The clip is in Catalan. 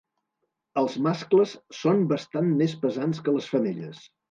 Els mascles són bastant més pesants que les femelles.